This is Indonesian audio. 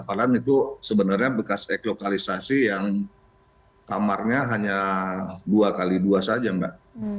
padahal itu sebenarnya bekas eklokalisasi yang kamarnya hanya dua x dua saja mbak